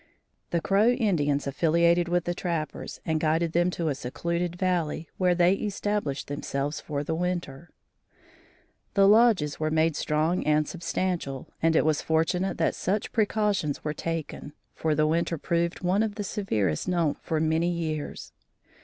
The Crow Indians affiliated with the trappers and guided them to a secluded valley, where they established themselves for the winter. The lodges were made strong and substantial, and it was fortunate that such precautions were taken, for the winter proved one of the severest known for many years.